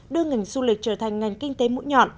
đưa ngành du lịch trở thành ngành kinh tế mũi nhọn